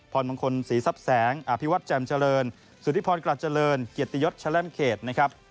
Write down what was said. พรมงคลศรีทรัพย์แสงอภิวัตรแจ่มเจริญสุธิพรกลัดเจริญเกียรติยศแลมเขตนะครับ